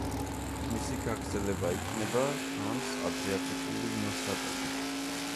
მისი გაგრძელება იქნება ტრანს-ადრიატიკული მილსადენი.